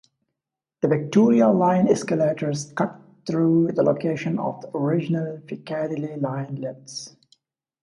The Victoria line escalators cut through the location of the original Piccadilly line lifts.